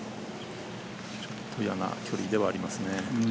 ちょっと嫌な距離ではありますね。